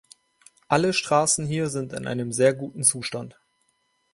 Alle Staßen hier sind in einem sehr guten Zustand.